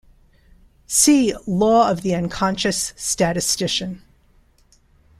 See Law of the unconscious statistician.